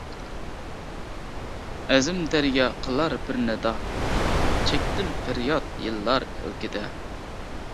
ئەزىم دەريا قىلار بىر نىدا، چەكتىم پەرياد يىللار ئىلكىدە.